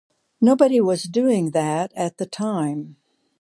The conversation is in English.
Nobody was doing that at that time.